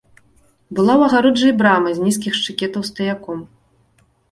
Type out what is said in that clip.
Была ў агароджы і брама з нізкіх шчыкетаў стаяком.